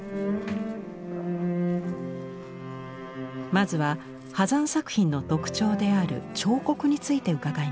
まずは波山作品の特徴である彫刻について伺いました。